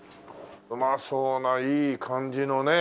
うまそうないい感じのね。